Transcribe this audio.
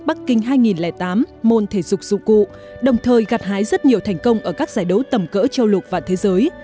bắc kinh hai nghìn tám môn thể dục dụng cụ đồng thời gặt hái rất nhiều thành công ở các giải đấu tầm cỡ châu lục và thế giới